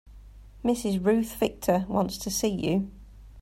Mrs. Ruth Victor wants to see you.